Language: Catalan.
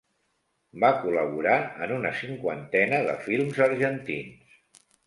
Va col·laborar en una cinquantena de films argentins.